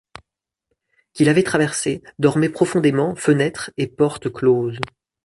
qu’il avait traversé, dormait profondément, fenêtres et portes closes.